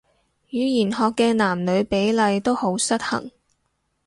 語言學嘅男女比例都好失衡